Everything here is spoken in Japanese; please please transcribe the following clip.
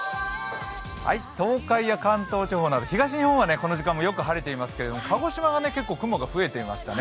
東海や関東地方など東日本はこの時間もよく晴れてますけど鹿児島が結構、雲が増えていましたね。